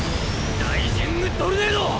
「ライジングトルネード」！